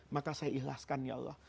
maka saya ikhlaskan ya allah